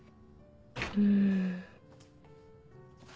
うん。